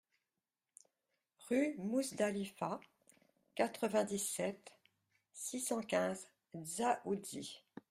Rue Mouzdalifa, quatre-vingt-dix-sept, six cent quinze Dzaoudzi